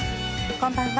こんばんは。